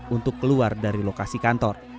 untuk keluar dari lokasi kantor